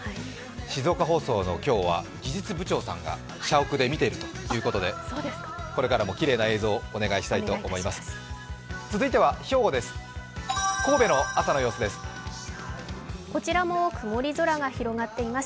静岡放送の今日は技術部長さんが社屋で見ているということでこれからもきれいな映像をお願いしたいと思います。